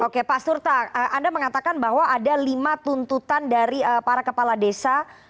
oke pak surta anda mengatakan bahwa ada lima tuntutan dari para kepala desa